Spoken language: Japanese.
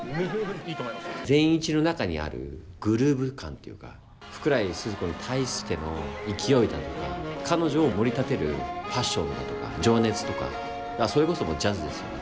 善一の中にあるグルーヴ感というか福来スズ子に対しての勢いだとか彼女をもり立てるパッションだとか情熱とかそれこそジャズですよね